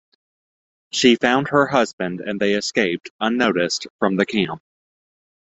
She found her husband and they escaped, unnoticed, from the camp.